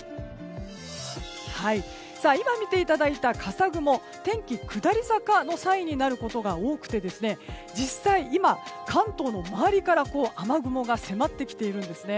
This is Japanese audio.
今見ていただいた笠雲天気下り坂のサインになることが多くて実際、今、関東の周りから雨雲が迫ってきているんです。